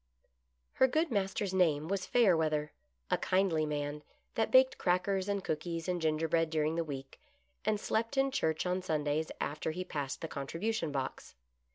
Her good master's name was Fayerweather ; a kindly man that baked crackers and cookies and gingerbread during the week, and slept in church on Sundays after he passed the contribution box.